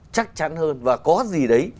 chắc chắn hơn và có gì đấy